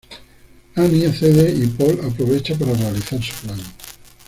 Annie accede y Paul aprovecha para realizar su plan.